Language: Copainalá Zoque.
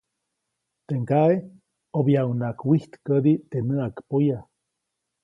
Teʼ ŋgaʼe ʼobyaʼuŋnaʼajk wijtkädi teʼ näʼakpoya.